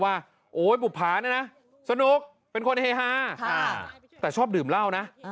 โอ๊ยบุภาเนี่ยนะสนุกเป็นคนเฮฮาแต่ชอบดื่มเหล้านะ